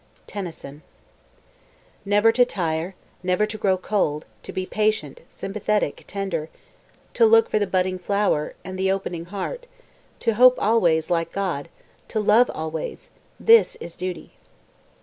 TENNYSON Never to tire, never to grow cold; to be patient, sympathetic, tender; to look for the budding flower, and the opening heart; to hope always, like God, to love always this is duty.